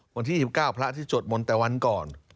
วันที่๒๙พระที่สวดมนต์แต่วันก่อน